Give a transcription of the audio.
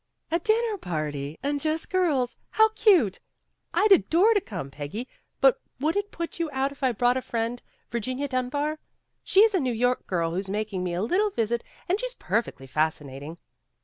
"A dinner party and just girls! How cute! I'd adore to come, Peggy, but would it put you out if I brought my friend Virginia Dunbar. She 's a New York girl who 's making me a little visit and she's perfectly fascinating."